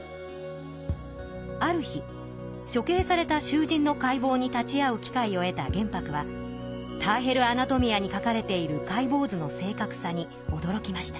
ある日しょけいされたしゅうじんの解剖に立ち会う機会を得た玄白は「ターヘル・アナトミア」にかかれている解剖図の正確さにおどろきました。